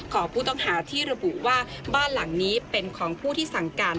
ของผู้ต้องหาที่ระบุว่าบ้านหลังนี้เป็นของผู้ที่สั่งการ